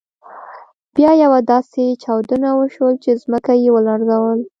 بیا یوه داسې چاودنه وشول چې ځمکه يې ولړزول.